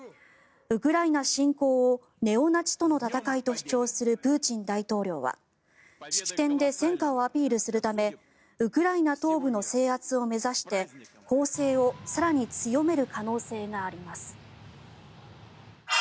ウクライナ侵攻をネオナチとの戦いと主張するプーチン大統領は式典で戦果をアピールするためウクライナ東部の制圧を目指して攻勢を更に強める可能性があります。